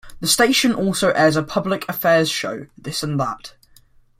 The station also airs a public affairs show, "This-N-That".